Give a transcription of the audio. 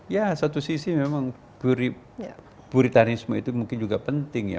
ya satu sisi memang buritanisme itu mungkin juga penting ya